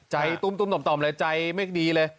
ใจตุ้มตุ้มต่อมต่อมเลยใจไม่ดีเลย